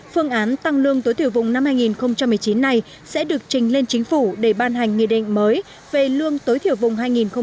phương án tăng lương tối thiểu vùng năm hai nghìn một mươi chín này sẽ được trình lên chính phủ để ban hành nghị định mới về lương tối thiểu vùng hai nghìn hai mươi